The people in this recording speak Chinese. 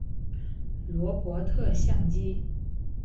罗伯特像机。